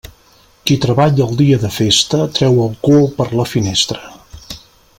Qui treballa el dia de festa, treu el cul per la finestra.